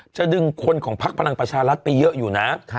จะดึงคนของพักพลังประชารัฐไปเยอะอยู่นะ